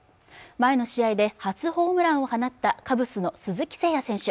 前の試合で初ホームランを放ったカブスの鈴木誠也選手